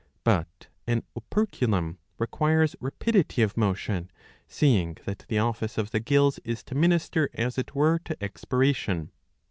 But an operculum requires rapidity of motion, seeing that the office of the gills is to minister as it were to expira tion.'